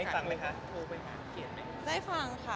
อเจมส์ได้ฟังเลยค่ะ